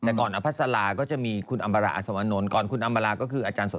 แต่ก่อนอภสารก็จะมีคุณอัมราศวนนรก่อนคุณอัมราก็คืออาจารย์สดท้าย